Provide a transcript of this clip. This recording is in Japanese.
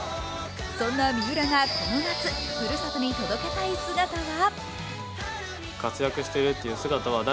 そんな三浦がこの夏ふるさとに届けたい姿は？